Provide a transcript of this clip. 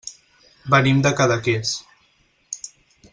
Venim de Cadaqués.